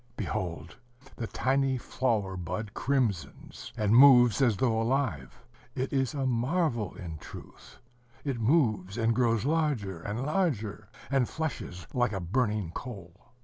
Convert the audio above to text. Behold! the tiny flower bud crimsons, and moves as though alive. It is a marvel, in truth. It moves, and grows larger and larger, and flushes like a burning coal.